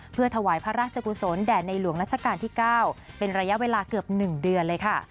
เพื่อถวายพระราชกุศลแด่ในหลวงรัชกาลที่๙เป็นระยะเวลาเกือบ๑เดือนเลยค่ะ